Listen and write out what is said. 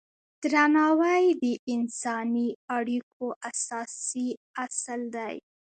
درناوی د انساني اړیکو اساسي اصل دی.